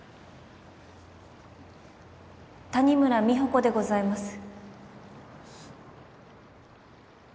谷村美保子でございます